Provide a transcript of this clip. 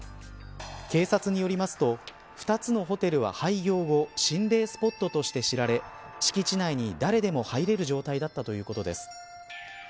警察によりますと２つのホテルは廃業後心霊スポットとして知られ敷地内に誰でも入れる状態だったということです。